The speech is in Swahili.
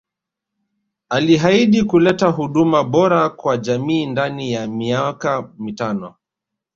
Alihaidi kuleta huduma bora kwa jamii ndani ya miaka mitano